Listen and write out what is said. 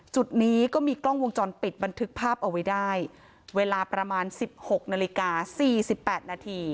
จุดนี้ก็มีกล้องวงจรปิดบันทึกภาพเอาไว้ได้เวลาประมาณ๑๖นาฬิกา๔๘นาที